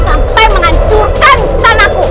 sampai menghancurkan istanaku